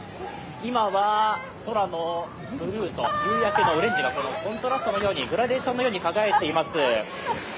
今は空のブルーと夕焼けのオレンジがコントラスト、グラデーションのように輝いています。